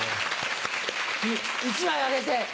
１枚あげて。